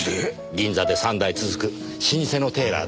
銀座で３代続く老舗のテーラーです。